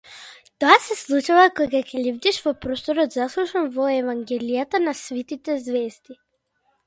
Тоа се случува кога лебдиш во простор заслушан во евангелијата на свитите ѕвезди.